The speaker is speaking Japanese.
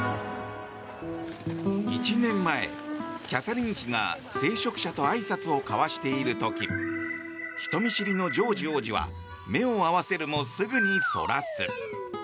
１年前、キャサリン妃が聖職者とあいさつを交わしている時人見知りのジョージ王子は目を合わせるも、すぐにそらす。